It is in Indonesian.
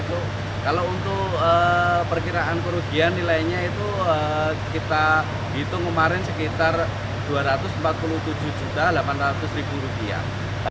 kalau untuk perkiraan kerugian nilainya itu kita hitung kemarin sekitar dua ratus empat puluh tujuh delapan ratus rupiah